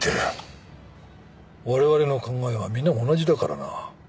我々の考えは皆同じだからな。